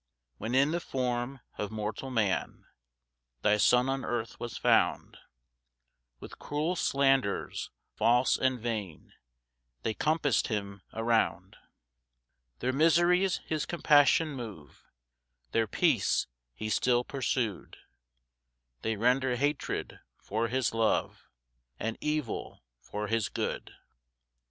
2 When in the form of mortal man Thy Son on earth was found, With cruel slanders, false and vain, They compass'd him around. 3 Their miseries his compassion move, Their peace he still pursu'd; They render hatred for his love, And evil for his good.